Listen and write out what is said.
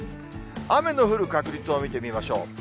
雨の降る確率を見てみましょう。